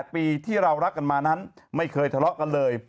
๘ปีที่เรารักกันมานั้นไม่เคยทะเลาะกันเลย